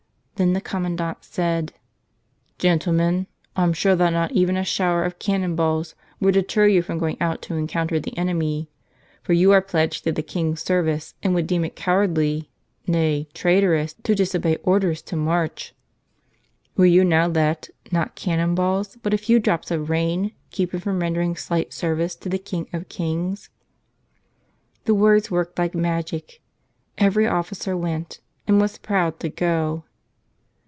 Then the comman¬ dant said: "Gentlemen, I'm sure that not even a shower of cannon balls would deter you from going out to en¬ counter the enemy. For you are pledged to the King's service and would deem it cowardly, nay, traitorous, to disobey orders to march. Will you now let, not can¬ non balls, but a few drops of rain keep you from ren¬ dering slight service to the King of Kings?'' The words worked like magic. Every officer went — and was proud to go.